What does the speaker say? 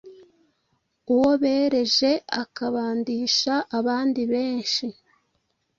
uwo bereje akabandisha abandi benshi.